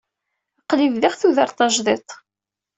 Aql-i bdiɣ tudert tajdidt.